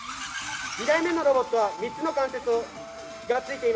２台目のロボットは３つの関節が付いています。